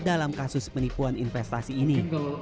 dalam kasus penipuan investasi ini